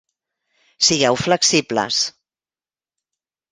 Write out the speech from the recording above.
Sigueu flexibles.